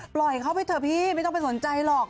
ปล่อยเขาไปเถอะพี่ไม่ต้องไปสนใจหรอก